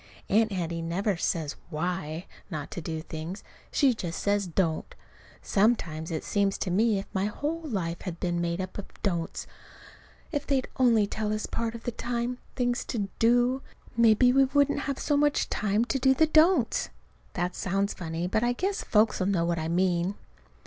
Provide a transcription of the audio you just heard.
Aunt Hattie never says why not to do things. She just says, "Don't." Sometimes it seems to me as if my whole life had been made up of "don'ts." If they'd only tell us part of the time things to "do," maybe we wouldn't have so much time to do the "don'ts." (That sounds funny, but I guess folks'll know what I mean.)